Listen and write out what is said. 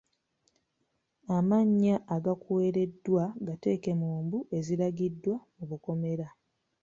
Amannya agakuweereddwa gateeke mu mbu eziragiddwa mu bukomera.